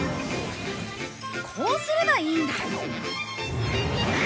こうすればいいんだ。